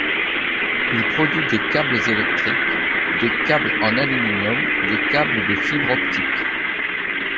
Il produit des câbles électriques, des câbles en aluminium, des câbles de fibres optiques.